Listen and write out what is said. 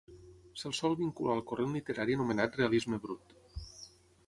Se'l sol vincular al corrent literari anomenat realisme brut.